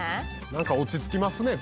「なんか落ち着きますね